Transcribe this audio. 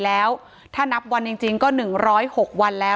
ถ้าใครอยากรู้ว่าลุงพลมีโปรแกรมทำอะไรที่ไหนยังไง